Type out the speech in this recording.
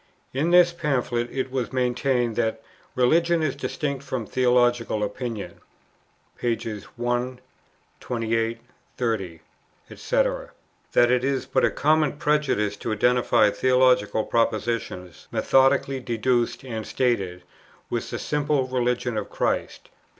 In this Pamphlet it was maintained, that "Religion is distinct from Theological Opinion," pp. 1. 28. 30, &c. that it is but a common prejudice to identify theological propositions methodically deduced and stated, with the simple religion of Christ, p.